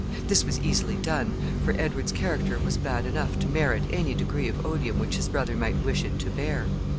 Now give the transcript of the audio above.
This was easily done, for Edward's character was bad enough to merit any degree of odium which his brother might wish it to bear.